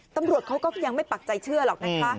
ตำรวจเขาก็ยังไม่ปักใจเชื่อหรอกนะคะ